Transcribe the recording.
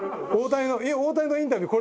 大谷のインタビュー